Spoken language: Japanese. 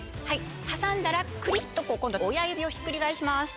挟んだらくりっと親指をひっくり返します。